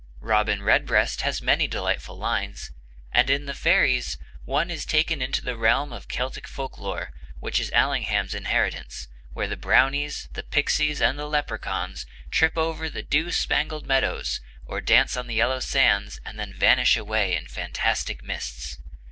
'Robin Redbreast' has many delightful lines; and in 'The Fairies' one is taken into the realm of Celtic folklore, which is Allingham's inheritance, where the Brownies, the Pixies, and the Leprechauns trip over the dew spangled meadows, or dance on the yellow sands, and then vanish away in fantastic mists.